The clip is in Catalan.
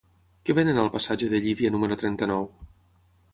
Què venen al passatge de Llívia número trenta-nou?